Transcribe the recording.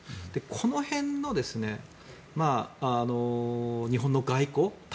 この辺の日本の外交対